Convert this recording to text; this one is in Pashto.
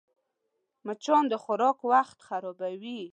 مچان د خوراک وخت خرابوي